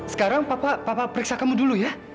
sekarang papa papa periksa kamu dulu ya